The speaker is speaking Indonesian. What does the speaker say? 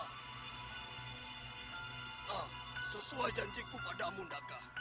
nah sesuai janjiku padamu daka